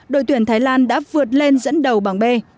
đội tuyển thái lan đã vượt lên dẫn đầu bảng b